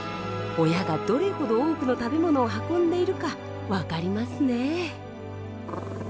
親がどれほど多くの食べ物を運んでいるか分かりますねえ。